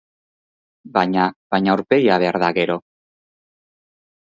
Baina..., baina aurpegia behar da, gero!